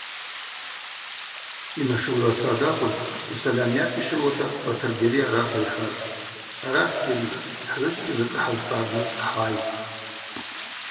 Йнашылгӏвацатӏ акӏвын, йсальам йапищылуата Батыргьари араса йхӏватӏ: –Арахь, Гьари, хӏгӏвыджьгьи закӏы хӏазцӏгӏарныс хӏгӏайтӏ.